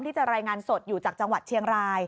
ที่จะรายงานสดอยู่จากจังหวัดเชียงราย